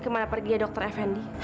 kemana pergi ya dr effendi